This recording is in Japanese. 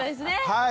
はい。